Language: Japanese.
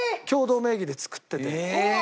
共同名義で作ってて。